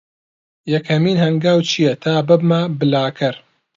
یەکەمین هەنگاو چییە تا ببمە بڵاگەر؟